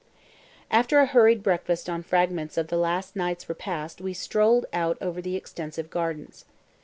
After a hurried breakfast on fragments of the last night's repast we strolled out over the extensive gardens.